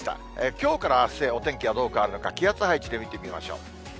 きょうからあすへ、お天気はどう変わるのか、気圧配置で見てみましょう。